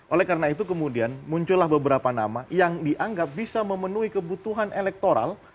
oleh karena itu kemudian muncullah beberapa nama yang dianggap bisa memenuhi kebutuhan elektoral